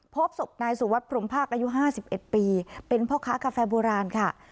พบศพนายสุวัสดิพรมภาคอายุ๕๑ปีเป็นพ่อค้ากาแฟโบราณค่ะ